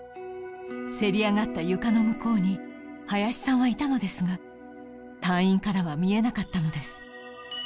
せり上がった床の向こうに林さんはいたのですが隊員からは見えなかったのです